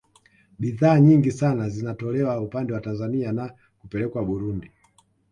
Bidhaa nyingi sana zinatolewa upande wa Tanzania na kupelekwa Burundi